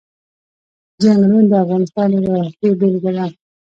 چنګلونه د افغانستان د جغرافیې بېلګه ده.